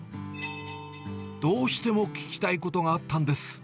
どうしても聞きたいことがあったんです。